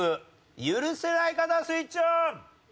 許せない方はスイッチオン！